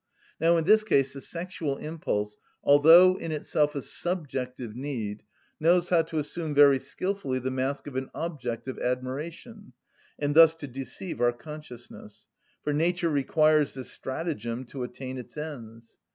Now in this case the sexual impulse, although in itself a subjective need, knows how to assume very skilfully the mask of an objective admiration, and thus to deceive our consciousness; for nature requires this stratagem to attain its ends.